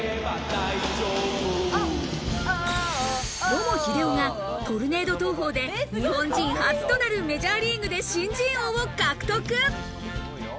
野茂英雄がトルネード投法で日本人初となるメジャーリーグで新人王を獲得。